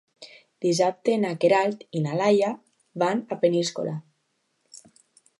Dissabte na Queralt i na Laia van a Peníscola.